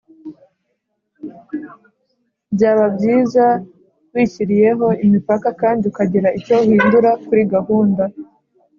byaba byiza wishyiriyeho imipaka kandi ukagira icyo uhindura kuri gahunda